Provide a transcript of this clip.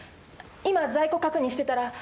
今在庫確認してたら。